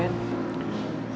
kalau untuk itu aku belum tahu